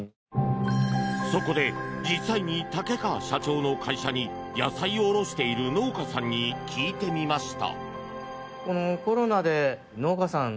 そこで実際に竹川社長の会社に野菜を卸している農家さんに聞いてみました。